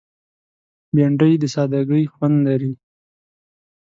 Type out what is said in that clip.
بېنډۍ د سادګۍ خوند لري